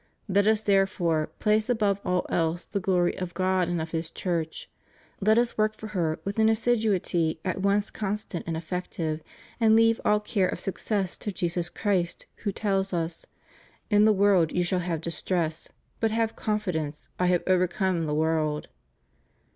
Let us there fore place above all else the glory of God and of His Church; let us work for her with an assiduity at once constant and effective, and leave all care of success to Jesus Christ, who tells us: "In the world you shall have distress: but have confidence, I have overcome the world."